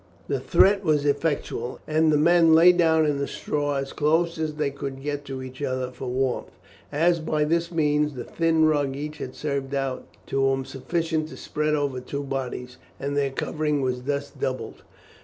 The threat was effectual, and the men lay down in the straw as close as they could get to each other for warmth, as by this means the thin rug each had served out to him sufficed to spread over two bodies, and their covering was thus doubled.